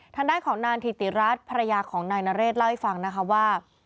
ทางด้านของนางถิติรัฐภรรยาของนายนเรศเล่าให้ฟังนะคะว่า